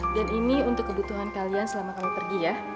dan ini untuk kebutuhan kalian selama kami pergi ya